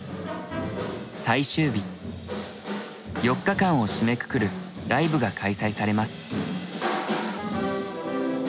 ４日間を締めくくるライブが開催されます。